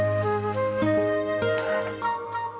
dan rasa kebenaran